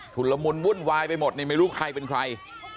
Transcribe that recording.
ละมุนวุ่นวายไปหมดนี่ไม่รู้ใครเป็นใคร